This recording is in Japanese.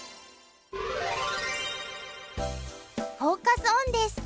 フォーカス・オンです。